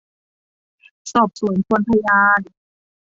สอบสวนทวนพยาน